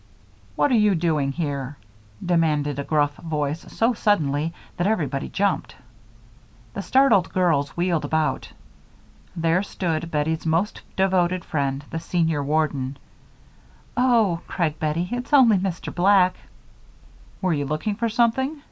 "What are you doing here?" demanded a gruff voice so suddenly that everybody jumped. The startled girls wheeled about. There stood Bettie's most devoted friend, the senior warden. "Oh!" cried Bettie, "it's only Mr. Black." "Were you looking for something?"